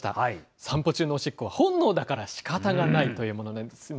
散歩中のおしっこは本能だからしかたがないというものなんですね。